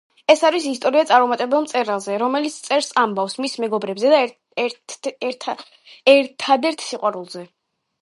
ეს არის ისტორია წარუმატებელ მწერალზე, რომელიც წერს ამბავს მის მეგობრებზე და ერთადერთ სიყვარულზე.